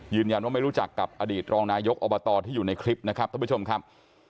ยืนยันว่าไม่รู้จักกับอดีตรองนายกอบตที่อยู่ในคลิปนะครับท่านผู้ชมครับ